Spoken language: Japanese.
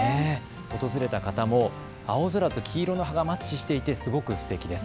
訪れた方も青空と黄色の葉がマッチしていてすごくすてきです。